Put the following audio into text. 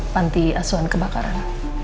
panti asuhan kebakaran